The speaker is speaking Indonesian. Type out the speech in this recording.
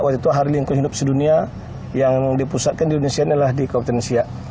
waktu itu hari lingkungan hidup sedunia yang dipusatkan di indonesia ini adalah di kabupaten siak